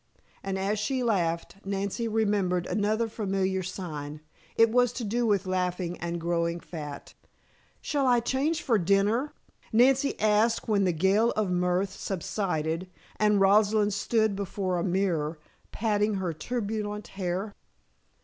and as she laughed Nancy remembered another familiar sign. It was to do with laughing and growing fat! "Shall I change for dinner?" Nancy asked when the gale of mirth subsided and Rosalind stood before a mirror patting her turbulent hair.